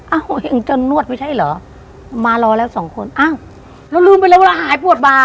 เอ้าจนนวดไม่ใช่เหรอมารอแล้วสองคนเอ้าแล้วลืมไปแล้วว่าหายปวดบ่า